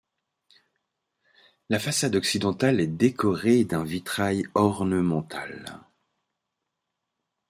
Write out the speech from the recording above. La façade occidentale est décorée d'un vitrail ornemental.